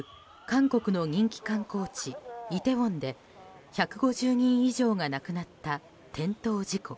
韓国の人気観光地、イテウォンで１５０人以上が亡くなった転倒事故。